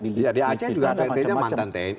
iya di aceh juga mantan tni